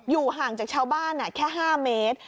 ห่างจากชาวบ้านแค่๕เมตร